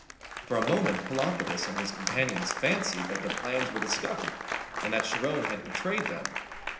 For a moment Pelopidas and his companions fancied that their plans were discovered, and that Charon had betrayed them.